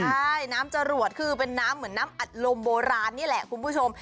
ใช่น้ำจรวดคือเป็นน้ำเหมือนน้ำอัดลมโบราณนี่แหละคุณผู้ชม